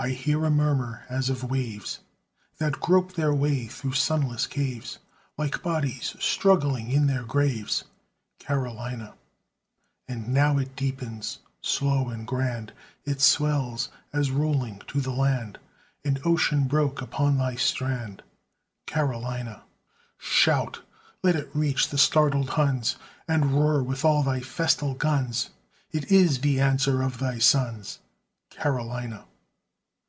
I hear a murmur as of waves That grope their way through sunless caves, Like bodies struggling in their graves, Carolina! And now it deepens; slow and grand It swells, as, rolling to the land, An ocean broke upon thy strand, Carolina! Shout! Let it reach the startled Huns! And roar with all thy festal guns! It is the answer of thy sons, Carolina!